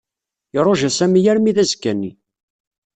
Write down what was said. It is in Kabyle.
Iṛuja Sami armi d azekka-nni.